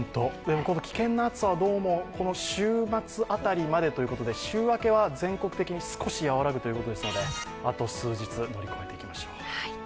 危険な暑さはどうもこの週末辺りまでということで週明けは全国的に少しやわらぐということですのであと数日、頑張っていきましょう。